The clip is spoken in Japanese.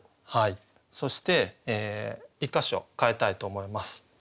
そして１か所変えたいと思います。